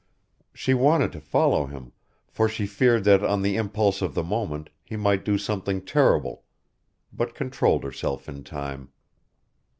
She wanted to follow him, for she feared that on the impulse of the moment he might do something terrible, but controlled herself in time.